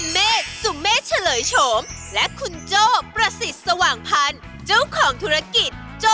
แม่บ้านผ่านรวย